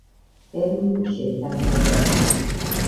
ტერმინი „შეითან ბაზარი“.